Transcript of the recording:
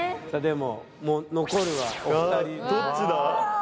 もう残るはお二人どっちだ？